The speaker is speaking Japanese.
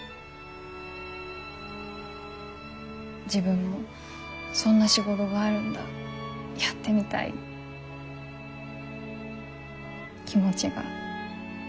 自分もそんな仕事があるんだやってみたいって気持ちが引っ張られるんです。